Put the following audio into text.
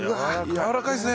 やわらかいですね。